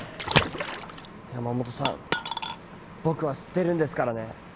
山本さん僕は知ってるんですからね。